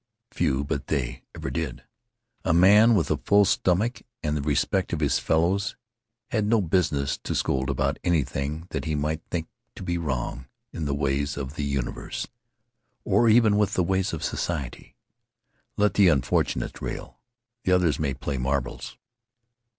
Few but they ever did it. A man with a full stomach and the respect of his fellows had no business to scold about anything that he might think to be wrong in the ways of the universe, or even with the ways of society. Let the unfortunates rail; the others may play marbles.